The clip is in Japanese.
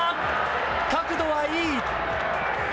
角度はいい。